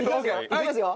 いきますよ。